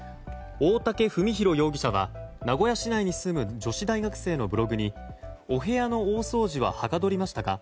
大竹史紘容疑者は名古屋市内に住む女子大学生のブログにお部屋の大掃除ははかどりましたか？